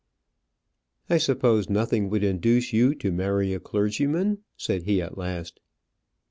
"I suppose nothing would induce you to marry a clergyman?" said he at last.